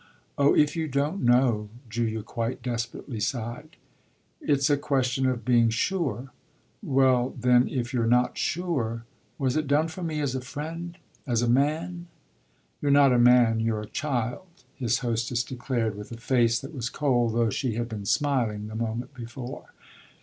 "Oh if you don't know!" Julia quite desperately sighed. "It's a question of being sure." "Well then if you're not sure !" "Was it done for me as a friend, as a man?" "You're not a man you're a child," his hostess declared with a face that was cold, though she had been smiling the moment before.